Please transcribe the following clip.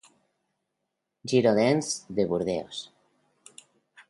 Girondins de Burdeos